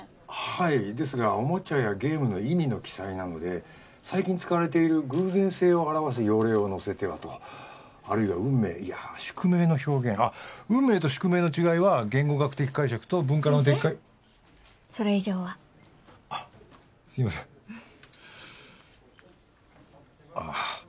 はいですがおもちゃやゲームの意味の記載なので最近使われている偶然性を表す用例を載せてはとあるいは運命いや宿命の表現あっ運命と宿命の違いは言語学的解釈と文化論的解先生それ以上はあっすいませんあっ